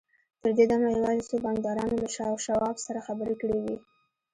تر دې دمه یوازې څو بانکدارانو له شواب سره خبرې کړې وې